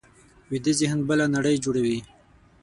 ویده ذهن بله نړۍ جوړوي